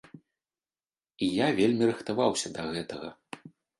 І я вельмі рыхтаваўся да гэтага.